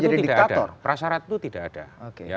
prasarat itu tidak ada prasarat itu tidak ada